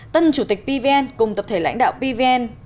tân chủ tịch pvn cùng tập thể lãnh đạo pvn